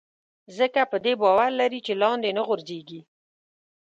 ځکه په دې باور لري چې لاندې نه غورځېږي.